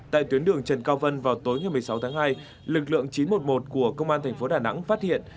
tại tuyến đường trần cao vân vào tối ngày một mươi sáu tháng hai lực lượng chín trăm một mươi một của công an thành phố đà nẵng phát hiện